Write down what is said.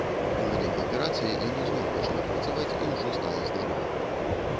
У выніку аперацыі яно зноў пачало працаваць і ўжо стала здаровым.